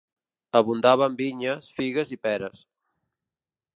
Abundava en vinyes, figues i peres.